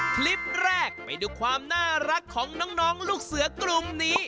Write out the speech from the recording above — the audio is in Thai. คลิปแรกไปดูความน่ารักของน้องลูกเสือกลุ่มนี้